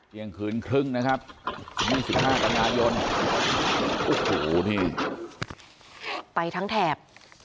ยังคืนครึ่งนะครับสิบห้าตำนานยนต์โอ้โหนี่ไปทั้งแถบ